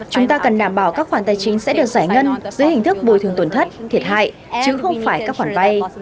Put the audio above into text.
chúng ta cần đảm bảo các khoản tài chính sẽ được giải ngân dưới hình thức bồi thường tổn thất thiệt hại chứ không phải các khoản vay